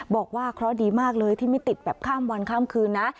บอกว่าเคราะห์ดีมากเลยที่ไม่ติดแบบข้ามวันข้ามคืนนะ